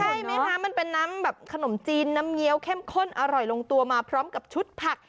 ใช่ไหมคะมันเป็นน้ำแบบขนมจีนน้ำเงี้ยวเข้มข้นอร่อยลงตัวมาพร้อมกับชุดผัก